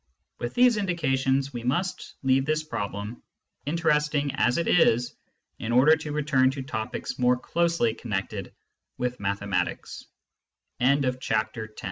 With these indications, we must leave this problem, interesting as it is, in order to return to topics more closely connected with mathe